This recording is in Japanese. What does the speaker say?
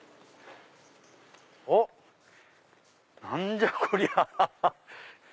おっ何じゃ⁉こりゃ。